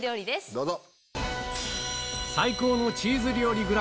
どうぞ。